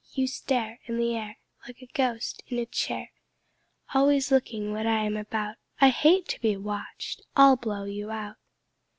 You stare In the air Like a ghost in a chair, Always looking what I am about; I hate to be watched I will blow you out."